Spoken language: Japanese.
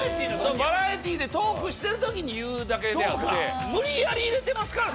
バラエティーでトークしてる時に言うだけであって無理やり入れてますからね